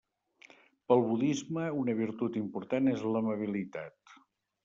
Pel budisme una virtut important és l'amabilitat.